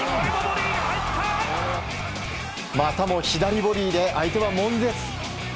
またも、左ボディーで相手は悶絶。